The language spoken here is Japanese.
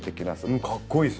かっこいいです。